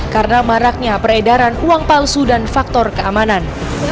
karena maraknya peredaran uang palsu dan faktor keamanan